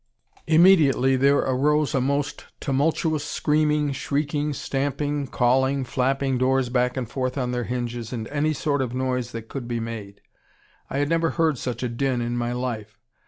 Immediately there arose a most tumultuous screaming, shrieking, stamping, calling, flapping doors back and forth on their hinges, and any sort of noise that could be made. I had never heard such a din in my life.